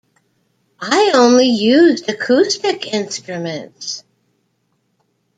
I only used acoustic instruments...